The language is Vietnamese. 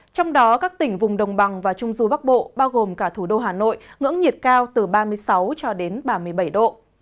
trong đó các tỉnh vùng đồng bằng và trung du bắc bộ bao gồm cả thủ đô hà nội ngưỡng nhiệt cao từ ba mươi sáu cho đến ba mươi bảy độ